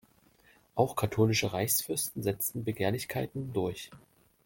Auch katholische Reichsfürsten setzten Begehrlichkeiten durch.